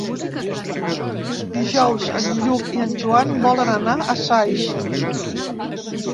Dijous en Lluc i en Joan volen anar a Saix.